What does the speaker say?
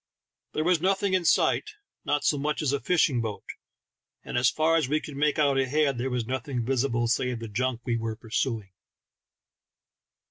There was nothing in sight, not so much as a fishing boat, and as far as we could make out ahead, there was nothing visible save the junk we were pursuing.